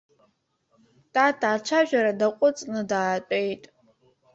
Тата ацәажәара даҟәыҵны даатәеит.